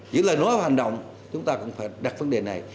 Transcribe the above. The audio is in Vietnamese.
những lời nói hành động chúng ta cũng phải đặt vấn đề này